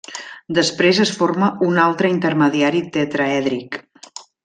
Després es forma un altre intermediari tetraèdric.